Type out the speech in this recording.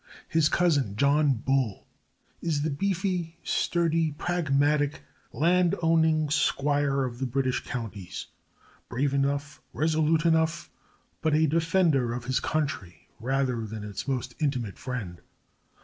His cousin, John Bull, is the beefy, sturdy, pragmatic, land owning squire of the British counties, brave enough, resolute enough, but a defender of his country, rather than its most intimate friend.